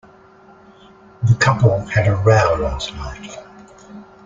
The couple had a row last night.